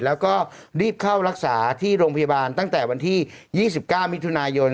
แล้วก็รีบเข้ารักษาที่โรงพยาบาลตั้งแต่วันที่๒๙มิถุนายน